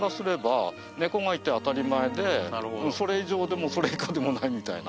それ以上でもそれ以下でもないみたいな。